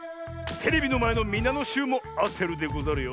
テレビのまえのみなのしゅうもあてるでござるよ。